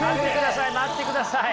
待ってください！